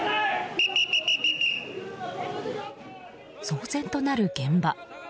騒然となる現場。